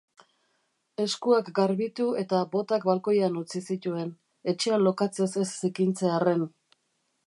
Eskuak garbitu eta botak balkoian utzi zituen, etxea lokatzez ez zikintzearren.